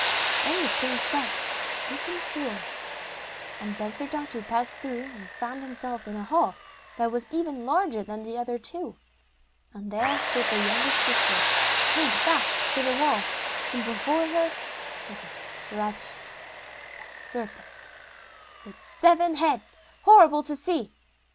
Then the princess opened a door, and Bensurdatu passed through, and found himself in a hall that was even larger than the other two. And there stood the youngest sister, chained fast to the wall, and before her was stretched a serpent with seven heads, horrible to see.